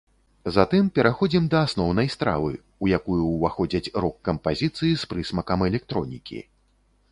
Затым пераходзім да асноўнай стравы, у якую ўваходзяць рок-кампазіцыі з прысмакам электронікі.